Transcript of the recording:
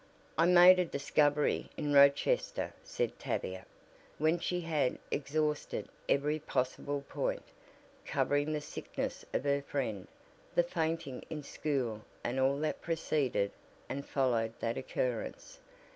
"I made a discovery in Rochester," said Tavia, when she had exhausted every possible point, covering the sickness of her friend, the fainting in school and all that preceded and followed that occurrence.